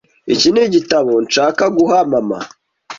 Iki nigitabo nshaka guha mama.